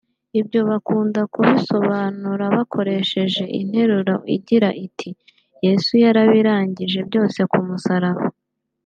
ibyo bakunda kubisobanura bakoresheje interuru igira iti “Yesu yarabirangije byose ku musaraba”